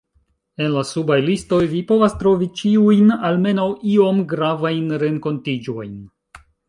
En la subaj listoj vi povas trovi ĉiujn almenaŭ iom gravajn renkontiĝojn.